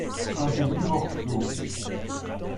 un demi morceau.